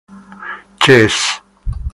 Kiss.